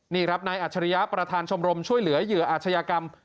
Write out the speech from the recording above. นี่ครับนายอัจฉริยะประธานชมรมช่วยเหลือเหยื่ออาชญากรรม